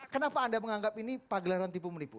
kenapa anda menganggap ini pagelaran tipu menipu